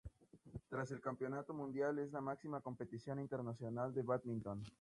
Tras el Campeonato Mundial, es la máxima competición internacional de Bádminton.